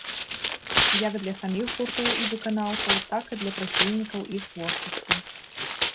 Як для саміх гуртоў і выканаўцаў, так і для прыхільнікаў іх творчасці.